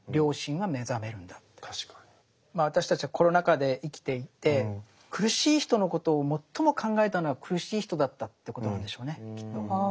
まあ私たちはコロナ禍で生きていて苦しい人のことを最も考えたのは苦しい人だったってことなんでしょうねきっと。